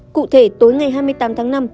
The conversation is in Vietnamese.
cụ thể tối ngày hai mươi tám tháng năm